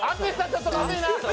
ちょっとまずいな。